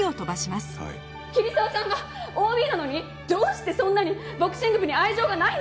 桐沢さんがＯＢなのにどうしてそんなにボクシング部に愛情がないのか！